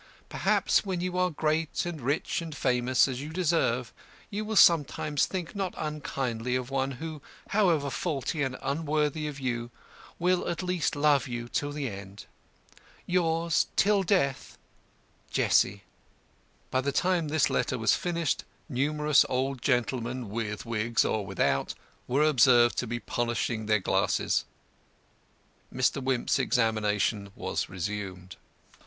Perhaps when you are great, and rich, and famous, as you deserve, you will sometimes think not unkindly of one who, however faulty and unworthy of you, will at least love you till the end. Yours, till death, "JESSIE." By the time this letter was finished numerous old gentlemen, with wigs or without, were observed to be polishing their glasses. Mr. Wimp's examination was resumed.